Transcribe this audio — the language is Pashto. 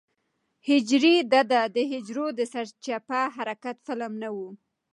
هېچېرې دده د حجرو د سرچپه حرکت فلم نه و.